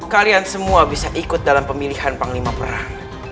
kalian semua bisa ikut dalam pemilihan panglima perang